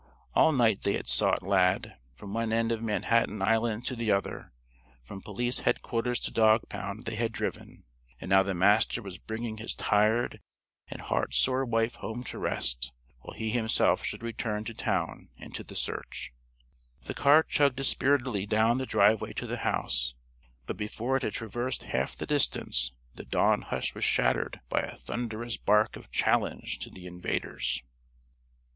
All night they had sought Lad; from one end of Manhattan Island to the other from Police Headquarters to dog pound they had driven. And now the Master was bringing his tired and heartsore wife home to rest, while he himself should return to town and to the search. The car chugged dispiritedly down the driveway to the house, but before it had traversed half the distance the dawn hush was shattered by a thundrous bark of challenge to the invaders.